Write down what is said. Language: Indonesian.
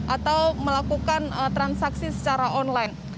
atau melakukan transaksi secara online